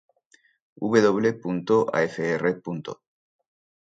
W. Afr.